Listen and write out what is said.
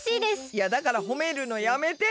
いやだからほめるのやめて！